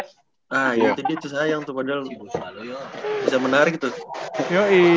ah ya itu saya yang tuh padahal bisa menarik tuh